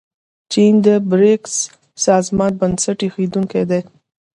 چین د بریکس سازمان بنسټ ایښودونکی دی.